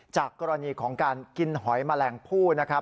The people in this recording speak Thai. จากกรณีของการกินหอยแมลงผู้นะครับ